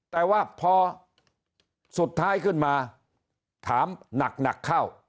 แต่ว่าพอสุดท้ายขึ้นมาถามหนักเข้า